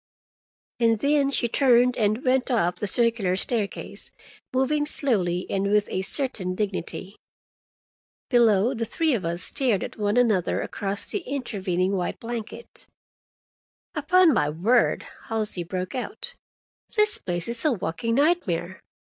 And then she turned and went up the circular staircase, moving slowly and with a certain dignity. Below, the three of us stared at one another across the intervening white blanket. "Upon my word," Halsey broke out, "this place is a walking nightmare.